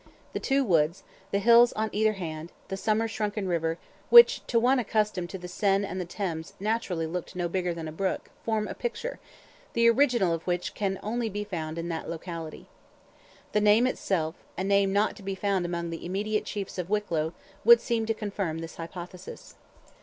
The two woods, the hills on either hand, the summer shrunken river, which, to one accustomed to the Seine and the Thames naturally looked no bigger than a brook, form a picture, the original of which can only be found in that locality. The name itself, a name not to be found among the immediate chiefs of Wicklow, would seem to confirm this hypothesis.